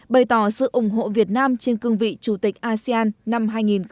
bày tỏ sự ủng hộ việt nam trên cương vị chủ tịch asean năm hai nghìn hai mươi